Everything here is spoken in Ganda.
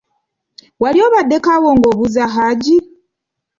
Wali obaddeko wano ng'abuuza Hajji?